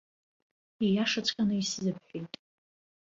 Ииашаҵәҟьаны исзыбҳәеит.